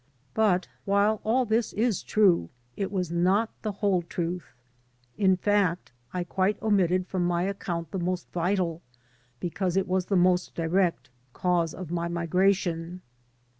But while aU this is true, it was not the whole truth. In fact, I quite omitted from my account the most vital, because it was the most direct, cause of my migration.